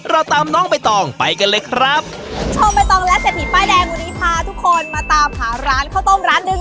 เราตามน้องใบตองไปกันเลยครับชมใบตองและเศรษฐีป้ายแดงวันนี้พาทุกคนมาตามหาร้านข้าวต้มร้านหนึ่ง